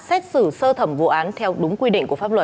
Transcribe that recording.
xét xử sơ thẩm vụ án theo đúng quy định của pháp luật